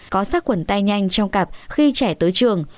có sắc quẩn tay nhanh trong cặp khi trẻ tới trường